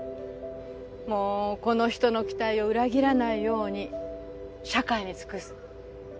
もうこの人の期待を裏切らないように社会に尽くす。